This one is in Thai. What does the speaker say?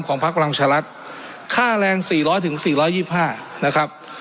ของภาคพลังชารัฐค่าแรงสี่ร้อยถึงสี่ร้อยยิบห้านะครับ